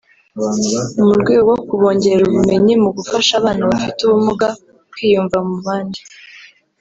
mu rwego rwo kubongerera ubumenyi mu gufasha abana bafite ubumuga kwiyumva mu bandi